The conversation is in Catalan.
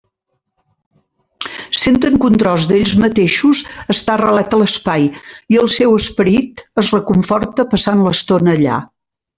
Senten que un tros d'ells mateixos està arrelat a l'espai, i el seu esperit es reconforta passant l'estona allà.